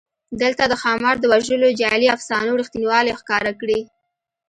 دلته د ښامار د وژلو جعلي افسانو رښتینوالی ښکاره کړی.